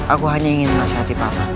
aku hanya ingin menasehati papa